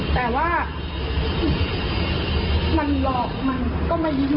แต่ว่ามันหลอกมันก็ไม่ยินอยู่ดี